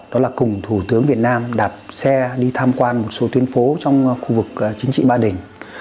đó là cùng thủ tướng việt nam đạp xe đi tham quan một số tuyến phố trong khu vực chính trị ba đình